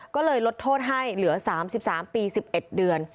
ก็เลยลดโทษให้เหลือ๓๓ปี๑๑เดือน